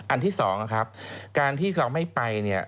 อันที่๒ครับการที่เราไม่ไป